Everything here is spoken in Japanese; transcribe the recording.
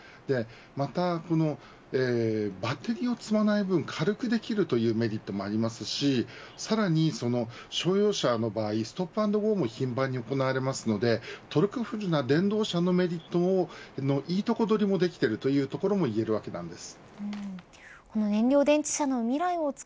また、バッテリーを積まない分軽くできるというメリットもありますしさらに乗用車の場合ストップアンドゴーも頻繁に行われるのでトルクフルな電動車のメリットのいいところ取りもできています。